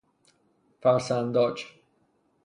فرسنداج